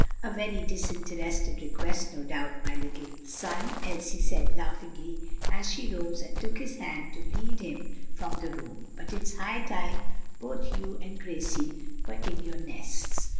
"A very disinterested request, no doubt, my little son," Elsie said laughingly, as she rose and took his hand to lead him from the room; "but it is high time both you and Gracie were in your nests.